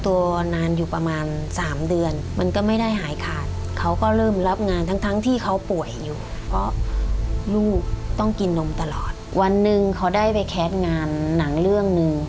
วันหนึ่งเขาได้ไปแคสงานหนังเรื่องหนึ่ง